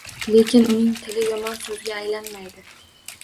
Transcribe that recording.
Lekin uning tili yomon so'zga aylanmaydi.